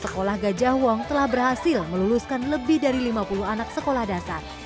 sekolah gajah wong telah berhasil meluluskan lebih dari lima puluh anak sekolah dasar